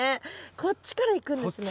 こっちからいくんですね。